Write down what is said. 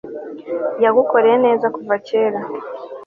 yagukoreye neza kuva kera